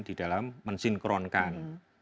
di dalam mensinkronkan